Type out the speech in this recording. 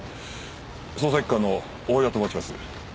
捜査一課の大岩と申します。